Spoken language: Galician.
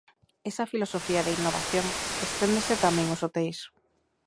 Esa filosofía de innovación esténdese tamén aos hoteis.